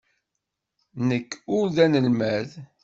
Nekk ur d anelmad.